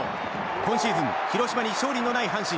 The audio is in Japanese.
今シーズン広島に勝利のない阪神。